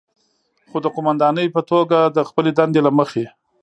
خو د قوماندانې په توګه د خپلې دندې له مخې،